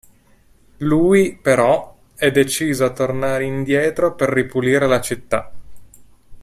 Lui, però, è deciso a tornare indietro per ripulire la città.